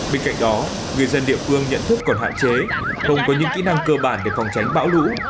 bên cạnh đó người dân địa phương nhận thức còn hạn chế không có những kỹ năng cơ bản để phòng tránh bão lũ